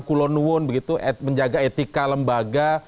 kulonwun begitu menjaga etika lembaga